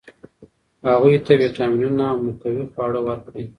هغوی ته ویټامینونه او مقوي خواړه ورکړئ.